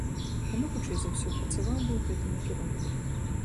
Таму, хутчэй за ўсё, працаваў бы ў гэтым накірунку.